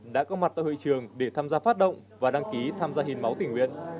đã có mặt tại hội trường để tham gia phát động và đăng ký tham gia hiến máu tỉnh nguyện